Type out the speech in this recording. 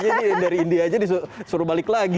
dari india aja disuruh balik lagi